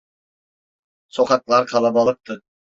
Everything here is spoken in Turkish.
Sokaklar kalabalıktı.